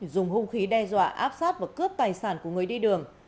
dùng hung khí đe dọa áp sát và cướp tài sản của người đi đường